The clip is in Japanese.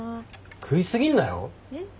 食い過ぎんなよ。えっ？